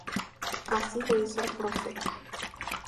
Así lo hizo el Prof.